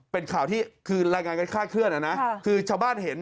เป็นข่าวที่คือรายงานกันคาดเคลื่อนนะคือชาวบ้านเห็น